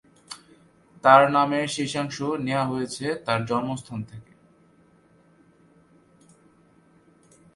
তার নামের শেষাংশ নেয়া হয়েছে তার জন্মস্থান থেকে।